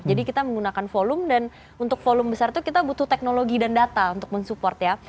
jadi kita menggunakan volume dan untuk volume besar itu kita butuh teknologi dan data untuk mensupport ya